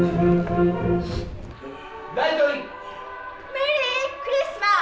メリークリスマス。